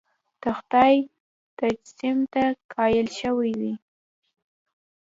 د خدای تجسیم ته قایل شوي دي.